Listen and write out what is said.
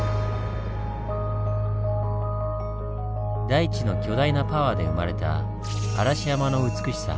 大地の巨大なパワーで生まれた嵐山の美しさ。